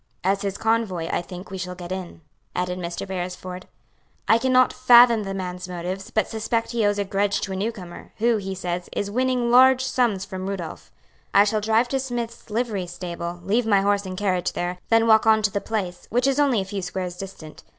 "As his convoy, I think we shall get in," added Mr. Beresford. "I cannot fathom the man's motives, but suspect he owes a grudge to a newcomer, who, he says, is winning large sums from Rudolph. I shall drive to Smith's livery stable, leave my horse and carriage there, then walk on to the place, which is only a few squares distant.